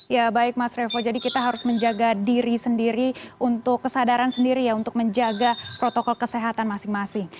ya baik mas revo jadi kita harus menjaga diri sendiri untuk kesadaran sendiri ya untuk menjaga protokol kesehatan masing masing